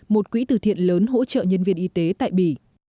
một quỹ từ thiện lớn hỗ trợ nhân viên y tế tại bỉ